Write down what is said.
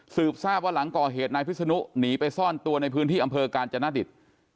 ทราบว่าหลังก่อเหตุนายพิศนุหนีไปซ่อนตัวในพื้นที่อำเภอกาญจนดิต